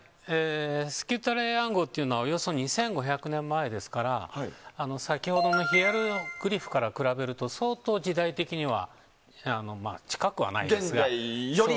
スキュタレー暗号というのはおよそ２５００年前ですから先ほどのヒエログリフから比べると相当時代的には近くはないですが。